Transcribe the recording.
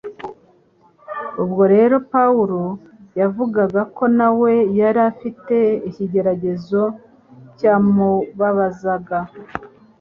ubwo rero pawulo yavugaga ko na we yari afite ikigeragezo cyamubabazaga